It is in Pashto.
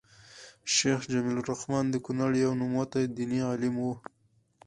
شيخ جميل الرحمن د کونړ يو نوموتی ديني عالم وو